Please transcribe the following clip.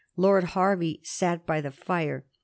Lord Hervey sat by the fire.